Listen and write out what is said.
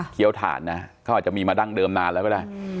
ถ่านนะเขาอาจจะมีมาดั้งเดิมนานแล้วก็ได้